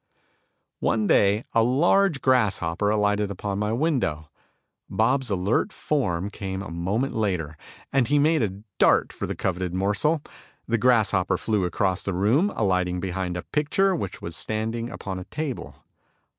One day a large grasshopper alighted upon my window. Bob's alert form came a moment later, and he made a dart for the coveted morsel. The grasshopper flew across the room, alighting behind a picture which was standing upon a table.